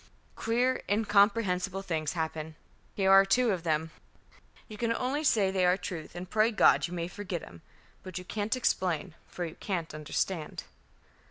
"Queer incomprehensible things happen. Here are two of them. You can only say they are the truth and pray God you may forget 'em. But you can't explain, for you can't understand."